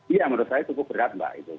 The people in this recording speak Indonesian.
iya menurut saya cukup berat mbak